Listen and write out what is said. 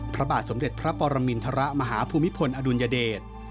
พระบาทสมเด็จพระปรมินทรมาฮภูมิพลอดุลยเดช